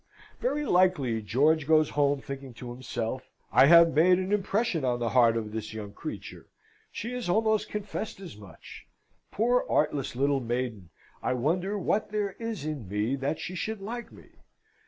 Very likely George goes home thinking to himself, "I have made an impression on the heart of this young creature. She has almost confessed as much. Poor artless little maiden! I wonder what there is in me that she should like me?"